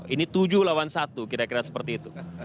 ini tujuh lawan satu kira kira seperti itu